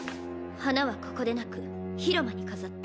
花はここでなく広間に飾って。